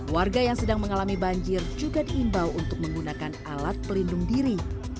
warga yang sedang mengalami banjir juga diimbau untuk menggunakan alat pelindung diri